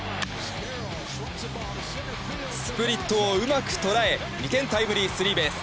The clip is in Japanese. スプリットをうまく捉え２点タイムリースリーベース！